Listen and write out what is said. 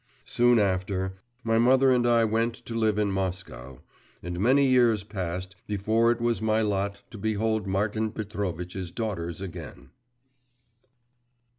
… Soon after, my mother and I went to live in Moscow, and many years passed before it was my lot to behold Martin Petrovitch's daughters again.